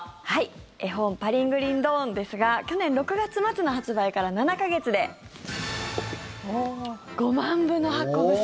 絵本「パリングリンドーン」ですが去年６月末の発売から７か月で５万部の発行部数。